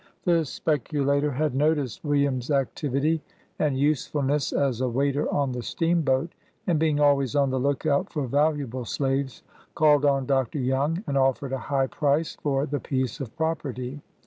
The spec ulator had noticed William's activity and usefulness as a waiter on the steamboat, and being always on the look out for valuable slaves, called on Dr. Young, and offered a high price for the piece of property.